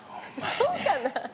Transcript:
そうかな？